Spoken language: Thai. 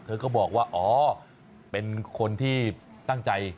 เธอก็บอกว่าอ๋อเป็นคนที่ตั้งใจ